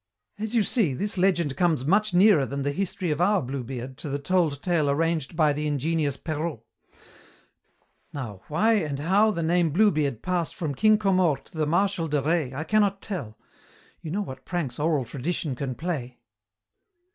"As you see, this legend comes much nearer than the history of our Bluebeard to the told tale arranged by the ingenious Perrault. Now, why and how the name Bluebeard passed from King Comor to the Marshal de Rais, I cannot tell. You know what pranks oral tradition can play."